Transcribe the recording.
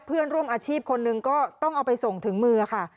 เพื่อนร่วมอาชีพคนหนึ่งก็ต้องเอาไปส่งถึงมือค่ะ